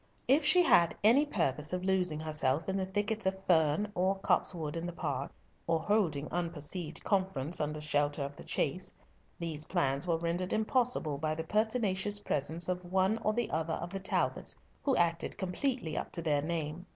If she had any purpose of losing herself in the thickets of fern, or copsewood, in the park, or holding unperceived conference under shelter of the chase, these plans were rendered impossible by the pertinacious presence of one or other of the Talbots, who acted completely up to their name.